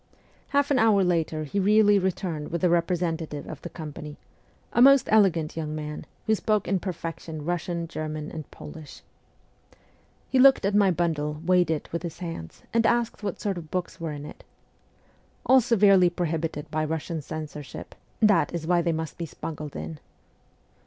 Half an hour later he really returned with the representative of the company a most elegant young man, who spoke in perfection Kussian, German, and Polish. FIRST JOURNEY ABROAD 81 He looked at my bundle, weighed it with his hands, and asked what sort of books were in it. ' All severely prohibited by Kussian censorship ; that is why they must be smuggled in.'